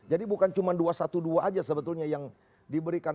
jadi bukan cuma dua ratus dua belas saja sebetulnya yang diberikan